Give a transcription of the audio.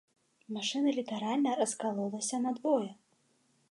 Машына літаральна раскалолася надвое.